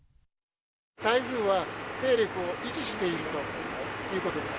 台風は勢力を維持しているということです。